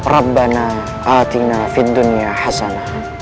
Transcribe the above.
rabbana atina fid dunia hasana